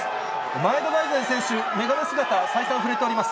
前田大然選手、眼鏡姿、再三ふれております。